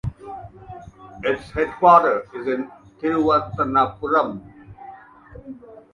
Its headquarter is in Thiruvananthapuram.